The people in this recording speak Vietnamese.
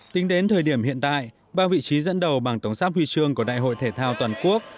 tính đến thời điểm hiện tại ba vị trí dẫn đầu bằng tổng sắp huy chương của đại hội thể thao toàn quốc